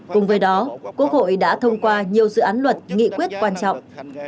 cùng với đó quốc hội đã thông qua nhiều dự án luật nghị quyết quan trọng